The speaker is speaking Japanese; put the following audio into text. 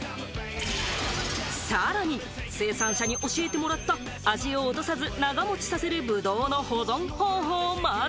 さらに、生産者に教えてもらった、味を落とさず長もちさせるブドウの保存方法まで。